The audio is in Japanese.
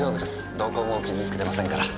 どこも傷つけてませんから。